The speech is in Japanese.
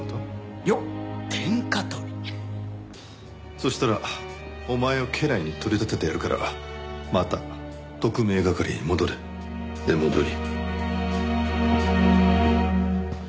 そしたらお前を家来に取り立ててやるからまた特命係に戻れ出戻り。